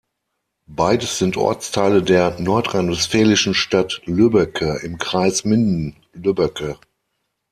Beides sind Ortsteile der nordrhein-westfälischen Stadt Lübbecke im Kreis Minden-Lübbecke.